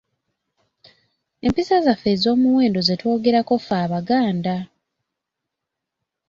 Empisa zaffe ez’omuwendo ze twogerako ffe Abaganda.